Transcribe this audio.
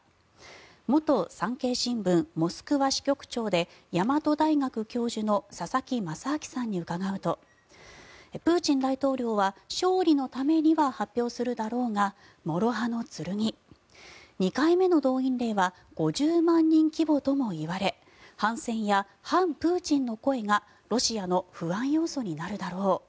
元産経新聞モスクワ支局長で大和大学教授の佐々木正明さんに伺うとプーチン大統領は勝利のためには発表するだろうがもろ刃の剣２回目の動員令は５０万人規模ともいわれ反戦や反プーチンの声がロシアの不安要素になるだろう